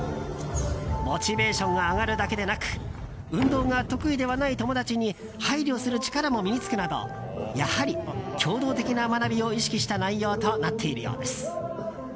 モチベーションが上がるだけでなく運動が得意ではない友達に配慮する力も身に付くなどやはり協働的な学びを意識した内容となっているようです。